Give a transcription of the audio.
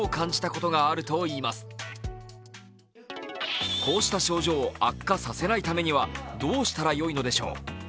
こうした症状を悪化させないためには、どうしたらよいのでしょう。